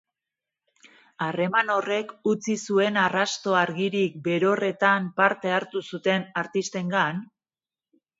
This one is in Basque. Harreman horrek utzi zuen arrasto argirik berorretan parte hartu zuten artistengan?